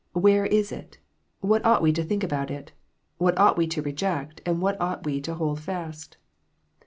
Where is it 1 What ought we to think about it 1 What ought we to reject, and what ought we to hold fast